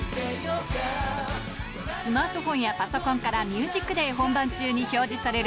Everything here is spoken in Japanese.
スマートフォンやパソコンから、ＴＨＥＭＵＳＩＣＤＡＹ本番中に表示される